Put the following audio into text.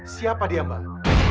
siapa dia bang